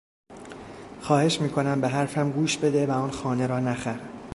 خواهش میکنم به حرفم گوش بده و آن خانه را نخر.